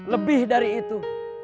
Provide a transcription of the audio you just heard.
lebih dari itu